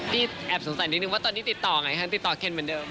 แอบสงสัยนิดนึงว่าตอนนี้ติดต่อไงคะติดต่อเคนเหมือนเดิม